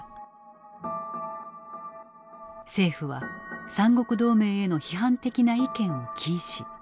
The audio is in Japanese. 政府は三国同盟への批判的な意見を禁止。